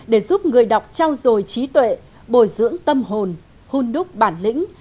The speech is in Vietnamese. để giúp người đọc trao dồi trí tuệ bồi dưỡng tâm hồn hôn đúc bản lĩnh